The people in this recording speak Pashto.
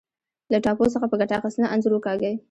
له ټاپو څخه په ګټه اخیستنه انځور وکاږئ.